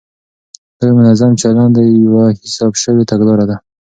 دا یو منظم چلند دی، یوه حساب شوې تګلاره ده،